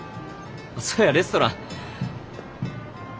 そうやレストラン。